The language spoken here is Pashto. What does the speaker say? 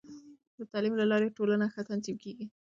د تعلیم له لارې، ټولنه ښه تنظیم کېږي.